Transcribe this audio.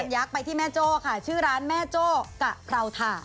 ยักษ์ไปที่แม่โจ้ค่ะชื่อร้านแม่โจ้กะเพราถา